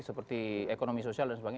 seperti ekonomi sosial dan sebagainya